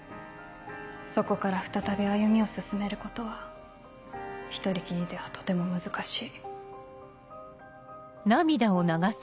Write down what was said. そこから再び歩みを進めることは一人きりではとても難しい。